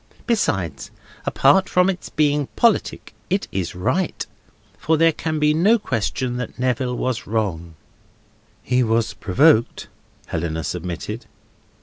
Besides, apart from its being politic, it is right. For there can be no question that Neville was wrong." "He was provoked," Helena submitted.